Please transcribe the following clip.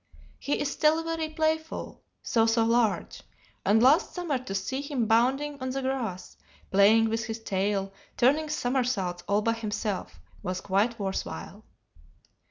He is still very playful, though so large, and last summer to see him bounding on the grass, playing with his tail, turning somersaults all by himself, was quite worth while.